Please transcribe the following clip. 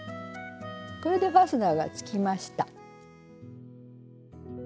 これでファスナーがつきました。